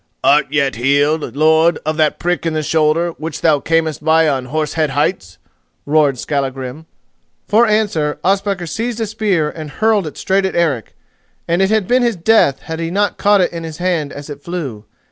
"Art yet healed, lord, of that prick in the shoulder which thou camest by on Horse Head Heights?" roared Skallagrim. For answer, Ospakar seized a spear and hurled it straight at Eric, and it had been his death had he not caught it in his hand as it flew.